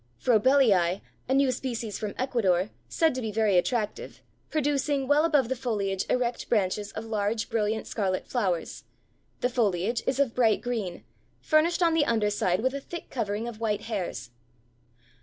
Frobelii, a new species from Ecuador, said to be very attractive, producing, well above the foliage, erect branches of large brilliant scarlet flowers; the foliage is of bright green, furnished on the under side with a thick covering of white hairs.